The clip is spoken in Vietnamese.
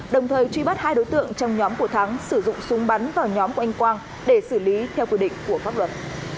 đồng thời truy bắt hai đối tượng trong nhóm của thắng sử dụng súng bắn vào nhóm của anh quang để xử lý theo quy định của pháp luật